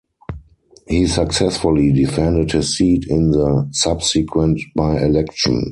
He successfully defended his seat in the subsequent by election.